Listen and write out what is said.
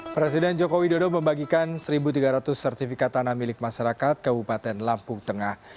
presiden joko widodo membagikan satu tiga ratus sertifikat tanah milik masyarakat kabupaten lampung tengah